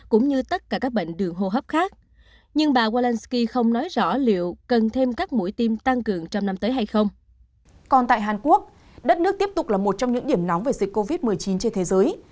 còn tại hàn quốc đất nước tiếp tục là một trong những điểm nóng về dịch covid một mươi chín trên thế giới